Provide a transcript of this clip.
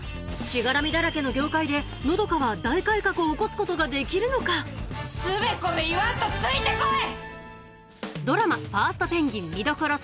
しがらみだらけの業界で和佳は大改革を起こすことができるのか⁉つべこべ言わんとついて来い！